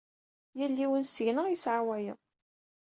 Yal yiwen seg-neɣ yesɛa wayeḍ.